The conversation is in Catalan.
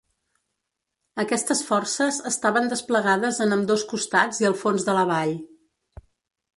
Aquestes forces estaven desplegades en ambdós costats i al fons de la vall.